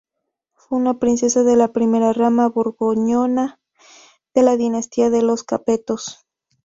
Fue una princesa de la primera rama borgoñona de la dinastía de los Capetos.